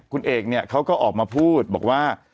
คุณเอกเนี่ยเขาก็ออกมาพูดบอกว่า